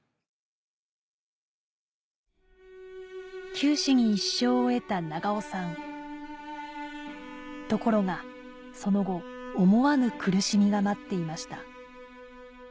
九死に一生を得たところがその後思わぬ苦しみが待っていました